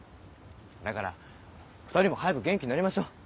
だから２人も早く元気になりましょう。